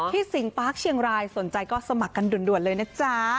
สิงปาร์คเชียงรายสนใจก็สมัครกันด่วนเลยนะจ๊ะ